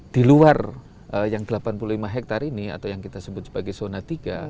di luar yang delapan puluh lima hektare ini atau yang kita sebut sebagai zona tiga